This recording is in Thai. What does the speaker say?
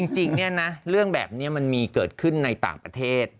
จริงเนี่ยนะเรื่องแบบนี้มันมีเกิดขึ้นในต่างประเทศ